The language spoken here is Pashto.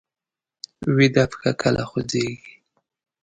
ویده پښه کله خوځېږي